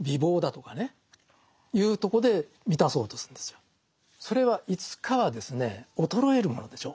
このそれはいつかはですね衰えるものでしょう。